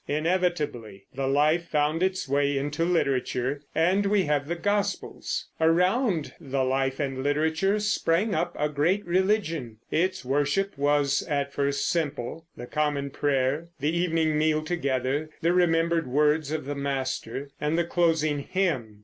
Inevitably the life found its way into literature, and we have the Gospels. Around the life and literature sprang up a great religion. Its worship was at first simple, the common prayer, the evening meal together, the remembered words of the Master, and the closing hymn.